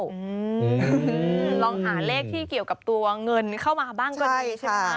ลองหาเลขที่เกี่ยวกับตัวเงินเข้ามาบ้างก็ดีใช่ไหมคะ